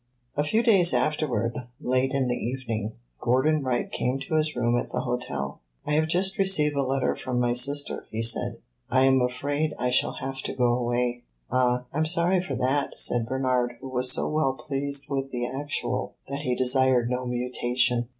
A few days afterward, late in the evening, Gordon Wright came to his room at the hotel. "I have just received a letter from my sister," he said. "I am afraid I shall have to go away." "Ah, I 'm sorry for that," said Bernard, who was so well pleased with the actual that he desired no mutation.